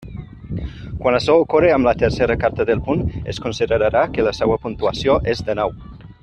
Quan açò ocorre amb la tercera carta del punt, es considerarà que la seua puntuació és de nou.